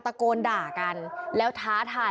ไอ้ไอ้ไอ้ไอ้ไอ้ไอ้